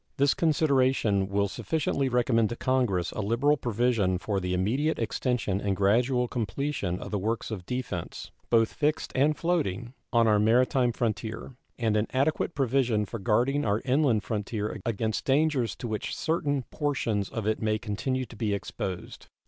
This consideration will sufficiently recommend to Congress a liberal provision for the immediate extension and gradual completion of the works of defense, both fixed and floating, on our maritime frontier, and an adequate provision for guarding our inland frontier against dangers to which certain portions of it may continue to be exposed.